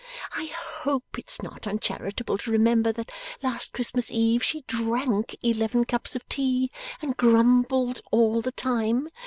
I HOPE it's not uncharitable to remember that last Christmas Eve she drank eleven cups of tea, and grumbled all the time.